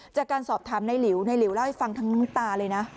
จากการสอบถามในหลิวในหลิวเล่าให้ฟังทั้งน้ำตาเลยนะ